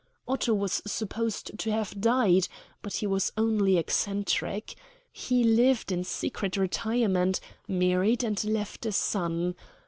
Otto was supposed to have died; but he was only eccentric. He lived in secret retirement, married, and left a son.